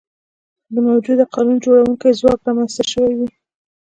د موجوده قانون جوړوونکي ځواک رامنځته شوي وي.